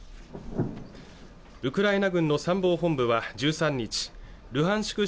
ウクライナ軍の参謀本部は１３日ルハンシク